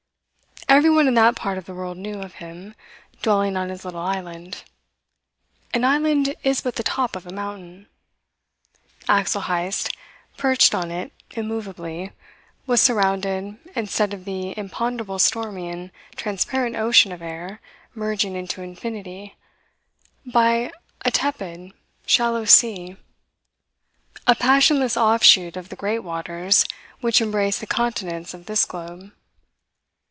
Everyone in that part of the world knew of him, dwelling on his little island. An island is but the top of a mountain. Axel Heyst, perched on it immovably, was surrounded, instead of the imponderable stormy and transparent ocean of air merging into infinity, by a tepid, shallow sea; a passionless offshoot of the great waters which embrace the continents of this globe.